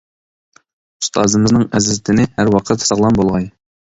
ئۇستازىمىزنىڭ ئەزىز تېنى ھەر ۋاقىت ساغلام بولغاي!